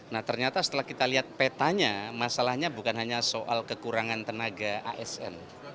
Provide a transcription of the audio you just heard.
nah ternyata setelah kita lihat petanya masalahnya bukan hanya soal kekurangan tenaga asn